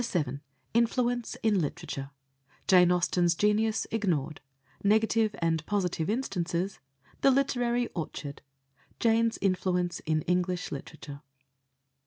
VII INFLUENCE IN LITERATURE Jane Austen's genius ignored Negative and positive instances The literary orchard Jane's influence in English literature.